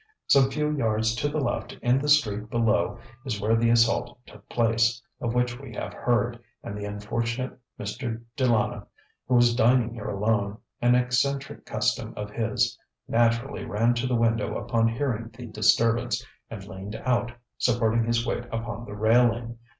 Some few yards to the left in the street below is where the assault took place, of which we have heard, and the unfortunate Mr. De Lana, who was dining here alone an eccentric custom of his naturally ran to the window upon hearing the disturbance and leaned out, supporting his weight upon the railing.